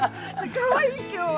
かわいい今日は。